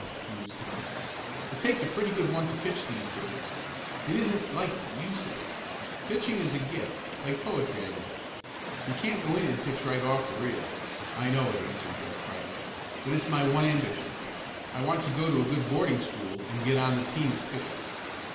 mused Tom. "It takes a pretty good one to pitch these days. It isn't like it used to be. Pitching is a gift, like poetry I guess. You can't go in and pitch right off the reel." "I know it," answered Joe quietly. "But it's my one ambition. I want to go to a good boarding school and get on the team as pitcher."